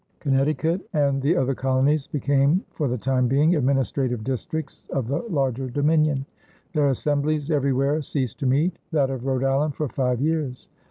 Connecticut and the other colonies became for the time being administrative districts of the larger dominion. Their assemblies everywhere ceased to meet, that of Rhode Island for five years.